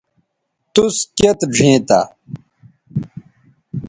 توس کیئت ڙھئیں تھا